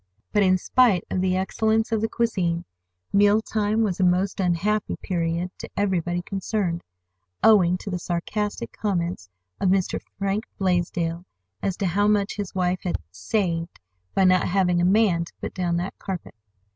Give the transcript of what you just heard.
But in spite of the excellence of the cuisine, meal time was a most unhappy period to everybody concerned, owing to the sarcastic comments of Mr. Frank Blaisdell as to how much his wife had "saved" by not having a man to put down that carpet.